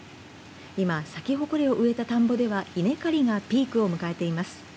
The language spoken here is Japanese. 今、サキホコレを植えた田んぼでは稲刈りがピークを迎えています。